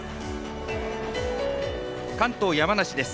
関東・山梨です。